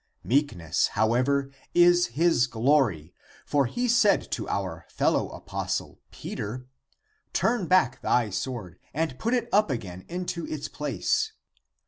Meekness, however, is his glory, for he said to our fellow apostle Peter, Turn back thy sword and put it up again into its place.